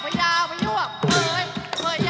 โอ้โหโอ้โหโอ้โห